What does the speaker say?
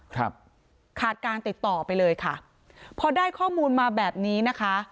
ครับขาดการติดต่อไปเลยค่ะพอได้ข้อมูลมาแบบนี้นะคะ